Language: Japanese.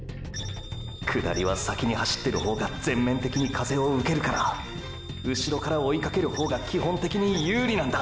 「下り」は先に走ってる方が全面的に風をうけるからうしろから追いかける方が基本的に有利なんだ。